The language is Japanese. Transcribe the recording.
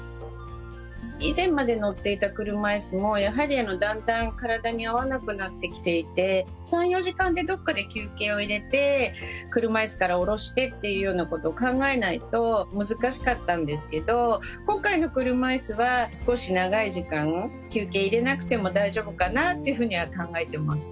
以前まで乗っていた車いすもやはりだんだん体に合わなくなってきていて３４時間でどこかで休憩を入れて車いすから降ろしてっていうような事を考えないと難しかったんですけど今回の車いすは少し長い時間休憩を入れなくても大丈夫かなっていうふうには考えてます。